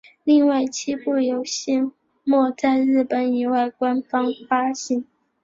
另外七部游戏未在日本以外官方发行。